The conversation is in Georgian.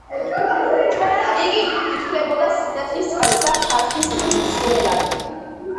იგი ითვლებოდა სინათლის წყაროდ და ხალხის დამცველად.